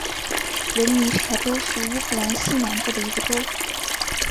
文尼察州是乌克兰西南部的一个州。